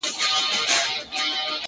دنیا ډېره بې وفا ده نه پا یږي،